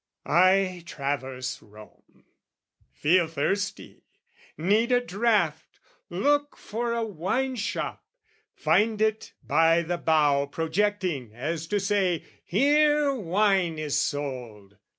I traverse Rome, feel thirsty, need a draught, Look for a wine shop, find it by the bough Projecting as to say "Here wine is sold!"